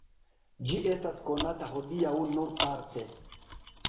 Ĝi estas konata hodiaŭ nur parte.